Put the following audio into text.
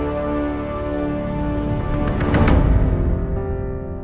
aku mau ke rumah